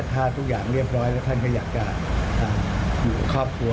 ถ้าทุกอย่างเรียบร้อยแล้วท่านก็อยากจะอยู่กับครอบครัว